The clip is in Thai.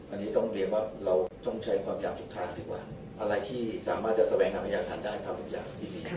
อันนี้ต้องเรียนว่าเราต้องใช้ความจำทุกทางดีกว่าอะไรที่สามารถจะแสวงการพยากฐานได้ทำทุกอย่างที่มี